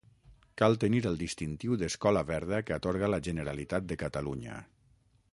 Cal tenir el distintiu d'escola verda que atorga la Generalitat de Catalunya.